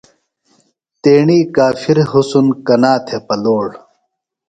تیݨی کافِر حُسن کنا تھےۡ پلوڑ۔